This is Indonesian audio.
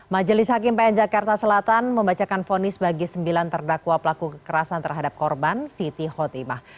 majelis hakim pn jakarta selatan membacakan fonis bagi sembilan terdakwa pelaku kekerasan terhadap korban siti khotimah